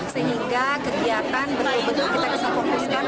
sehingga kegiatan betul betul kita bisa fokuskan